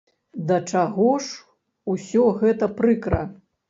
Да чаго ж усё гэта прыкра.